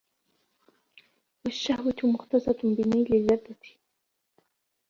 وَالشَّهْوَةَ مُخْتَصَّةٌ بِنَيْلِ اللَّذَّةِ